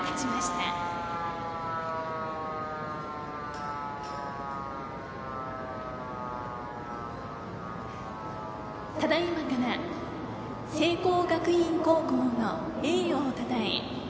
ただいまから聖光学院高校の栄誉をたたえ